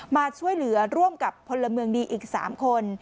มาช่วยเหลือร่วมกับพลเมืองดีอีก๓คน